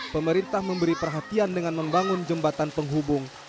pemerintah memberi perhatian dengan membangun jembatan penghubung